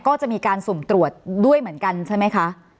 ก็จะมีการสุ่มตรวจด้วยเหมือนกันใช่ไหมคะ